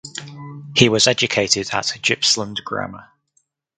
He was educated at Gippsland Grammar.